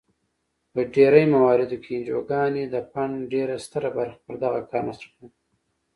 په ډیری مواردو کې انجوګانې د فنډ ډیره ستره برخه پر دغه کار مصرفوي.